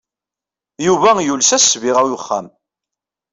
Yuba yules-as ssbiɣa i uxxam.